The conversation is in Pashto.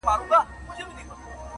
مور مې پۀ دواړه لاسه شپه وه موسله وهله-